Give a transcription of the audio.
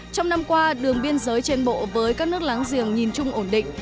trong năm qua đường biên giới trên bộ với các nước láng giềng nhìn chung ổn định